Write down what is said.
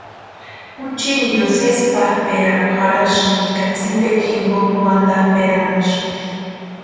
Juchinio sesi pápʼerakwa jarhasïnti ka tsipekwa jonkoni wantapʼeranhasïnti.